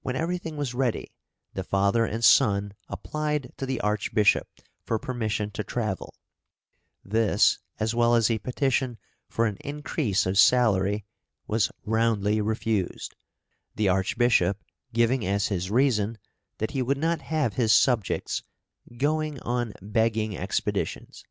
When everything was ready, the father and son applied to the Archbishop for permission to travel; this, as well as a petition for an increase of salary, was roundly refused; the Archbishop giving as his reason that he would not have his subjects "going on begging expeditions."